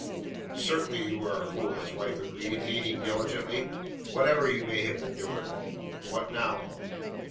"Certainly you are a fool," his wife agreed, kneading diligently, "whatever you may have endured. What now?"